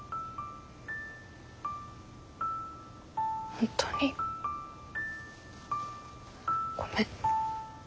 本当にごめん。